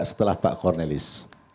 setelah pak kornelis